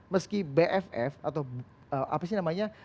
meski bff atau apa sih namanya